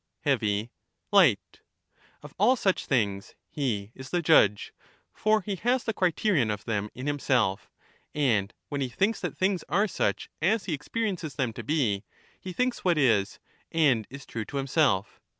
heavy, light : of all such things he is the judge ; for he has the criterion of them in himself, and when he thinks that things are such as he experiences them to be, he thinks what is and is true to himself.